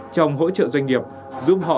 trong hỗ trợ doanh nghiệp giúp họ